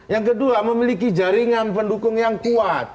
yang kedua memiliki jaringan pendukung yang kuat